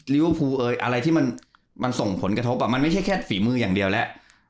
เวอร์พูลเอยอะไรที่มันส่งผลกระทบมันไม่ใช่แค่ฝีมืออย่างเดียวแล้ว